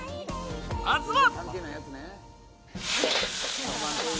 まずは。